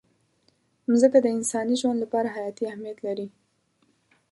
مځکه د انساني ژوند لپاره حیاتي اهمیت لري.